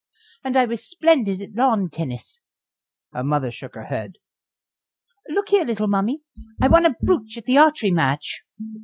"And I was splendid at lawn tennis." Her mother shook her head. "Look here, little mummy. I won a brooch at the archery match."